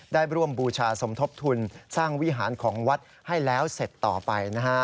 ได้ร่วมบูชาสมทบทุนสร้างวิหารของวัดให้แล้วเสร็จต่อไปนะฮะ